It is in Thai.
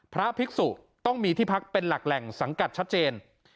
พระภิกษุต้องมีที่พักเป็นหลักแหล่งสังกัดชัดเจน